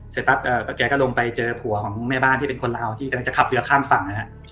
เสร็จปั๊บแกก็ลงไปเจอผัวของแม่บ้านที่เป็นคนลาวที่กำลังจะขับเรือข้ามฝั่งนะฮะ